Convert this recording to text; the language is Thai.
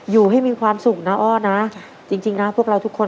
อยู่ให้มีความสุขนะอ้อนะจริงนะพวกเราทุกคน